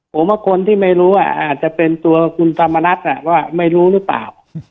ผมว่าคนที่ไม่รู้อาจจะเป็นตัวคุณธรรมนัฐว่าไม่รู้หรือเปล่า